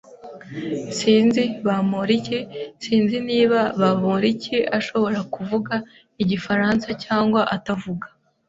S Sinzi [Bamoriki] Sinzi niba Bamoriki ashobora kuvuga Igifaransa cyangwa atavuga.